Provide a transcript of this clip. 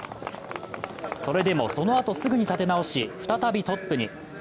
それでも、そのあとすぐに立て直し再びトップに。